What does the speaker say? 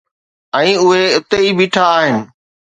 ۽ اهي اتي ئي بيٺا آهن.